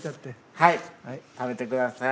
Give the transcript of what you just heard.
はい食べてください。